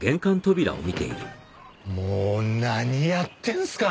もう何やってんすか？